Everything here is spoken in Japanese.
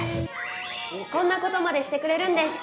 こんなことまでしてくれるんです！